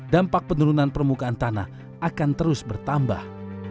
dampak penurunan permukaan tanah akan terus bertambah